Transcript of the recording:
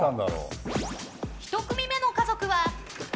１組目の家族は。